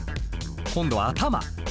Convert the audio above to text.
今度は頭。